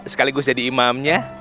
sekaligus jadi imamnya